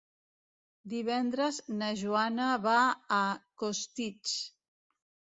Divendres na Joana va a Costitx.